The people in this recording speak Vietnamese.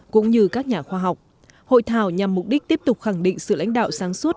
cũng như các nhà khoa học hội thảo nhằm mục đích tiếp tục khẳng định sự lãnh đạo sáng suốt